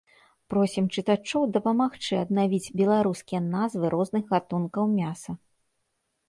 Просім чытачоў дапамагчы аднавіць беларускія назвы розных гатункаў мяса.